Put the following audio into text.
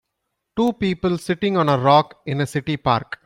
Two people sitting on a rock in a city park.